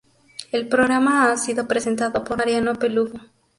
El programa ha sido presentado por Mariano Peluffo.